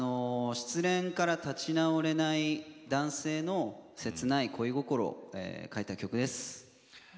失恋から立ち直れない男性の切ない恋心を書いた曲です。